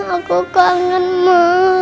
aku kangen ma